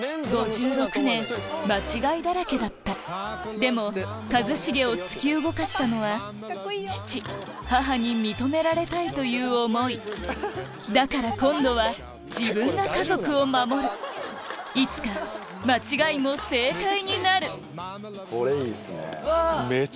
５６年間違いだらけだったでも一茂を突き動かしたのは「父母に認められたい」という思いだから今度は自分が家族を守るいつか間違いも正解になるうわっ！